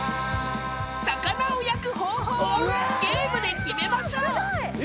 ［魚を焼く方法をゲームで決めましょう］